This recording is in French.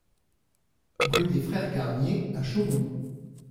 Rue des Frères Garnier à Chaumont